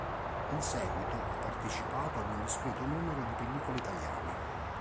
In seguito ha partecipato ad un discreto numero di pellicole italiane.